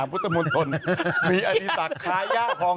แบบเนี้ย